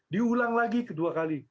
diulang lagi kedua kali